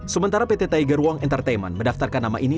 sementara pt tiger wong entertainment mendaftarkan nama ini